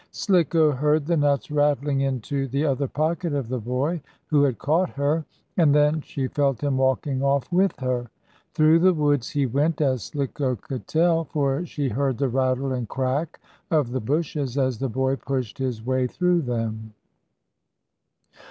Slicko heard the nuts rattling into the other pocket of the boy who had caught her, and then she felt him walking off with her. Through the woods he went, as Slicko could tell, for she heard the rattle and crack of the bushes, as the boy pushed his way through them.